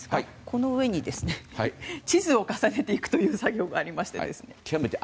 この上に地図を重ねていくという作業がありまして。